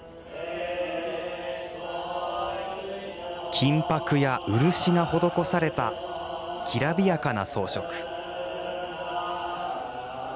金ぱくや漆が施されたきらびやかな装飾。